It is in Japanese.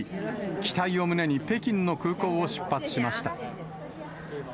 期待を胸に北京の空港を出発しました。